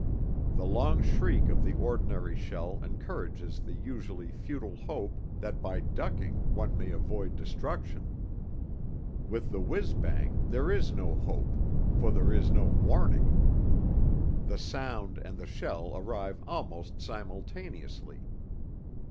The long shriek of the ordinary shell encourages the usually futile hope that by ducking one may avoid destruction. With the whizz bang there is no hope, for there is no warning; the sound and the shell arrive almost simultaneously.